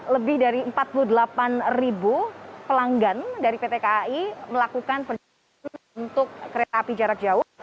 lebih dari empat puluh delapan ribu pelanggan dari pt kai melakukan perjalanan untuk kereta api jarak jauh